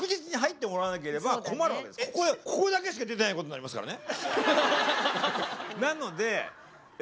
ここだけしか出てないことになりますからね。